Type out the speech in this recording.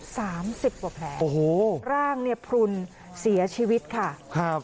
สามสิบกว่าแผลโอ้โหร่างเนี่ยพลุนเสียชีวิตค่ะครับ